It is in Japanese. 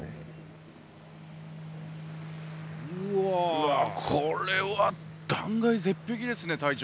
うわっこれは断崖絶壁ですね隊長。